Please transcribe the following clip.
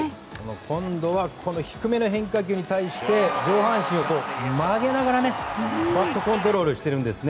今度は低めの変化球に対し上半身を曲げながらバットコントロールをしているんですね。